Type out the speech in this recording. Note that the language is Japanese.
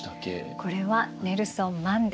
これはネルソン・マンデラ。